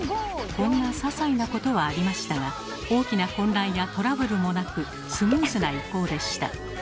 こんなささいなことはありましたが大きな混乱やトラブルもなくスムーズな移行でした。